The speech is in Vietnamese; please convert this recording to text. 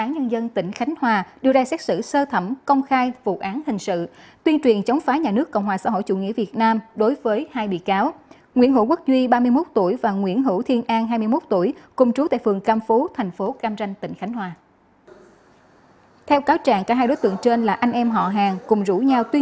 các bạn hãy đăng ký kênh để ủng hộ kênh của chúng mình nhé